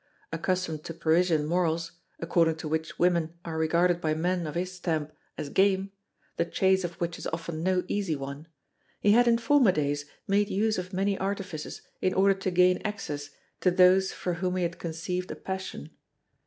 Accustomed to Parisian morals, according to which women are regarded by men of his stamp as game, the chase of which is often no easy one, he had in former days made use of many artifices in order to gain access to those for whom he had conceived a passion.